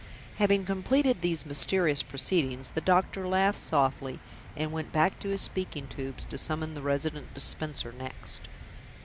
Having completed these mysterious proceedings, the doctor laughed softly, and went back to his speaking tubes to summon the Resident Dispenser next.